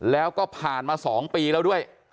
แล้วก็ผ่านมา๒ปีแล้วด้วย